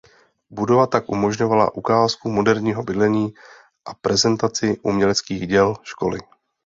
Budova tak umožňovala ukázku moderního bydlení a prezentaci uměleckých děl školy.